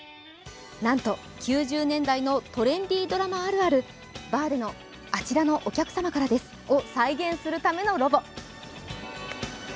なんと９０年代のトレンディードラマあるある、バーでの「あちらのお客様からです」を再現するためのロボ。